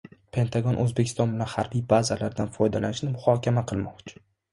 Pentagon O‘zbekiston bilan harbiy bazalardan foydalanishni muhokama qilmoqchi